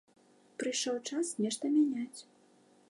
Прыйшоў час нешта мяняць.